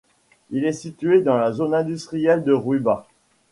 Il est situé dans la zone industrielle de Rouïba.